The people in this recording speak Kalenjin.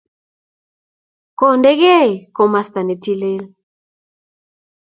kondenei komostab ne tilil